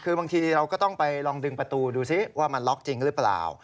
คือบางทีเราก็ต้องไปลองดึงประตูดูซิว่ามันล็อกจริงหรือเปล่า